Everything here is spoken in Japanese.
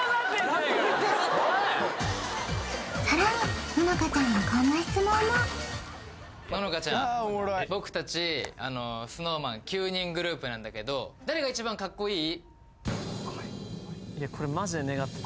さらにののかちゃんにこんな質問もののかちゃん僕たちＳｎｏｗＭａｎ９人グループなんだけど誰が一番かっこいい？